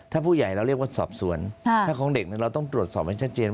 ถ้าผู้ใหญ่เราเรียกว่าสอบสวนถ้าของเด็กเราต้องตรวจสอบให้ชัดเจนว่า